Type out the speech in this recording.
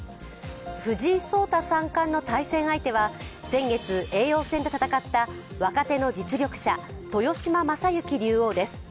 藤井聡太三冠の対戦相手は先月、叡王戦で戦った若手の実力者、豊島将之竜王です。